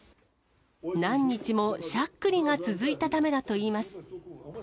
何日もしゃっくりが続いたためだといいます。